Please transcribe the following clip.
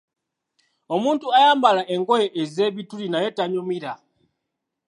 Omuntu ayambala engoye ez’ebituli naye tannyumira.